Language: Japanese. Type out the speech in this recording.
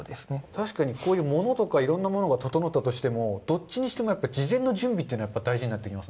確かにこういうものとかいろんなものが整ったとしても、どっちにしてもやっぱり事前の準備っていうのは大事になってきま